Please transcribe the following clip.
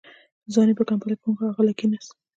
ځان يې په کمپله کې ونغاړه، غلی کېناست.